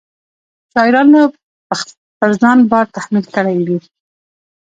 شاعرانو پر ځان بار تحمیل کړی وي.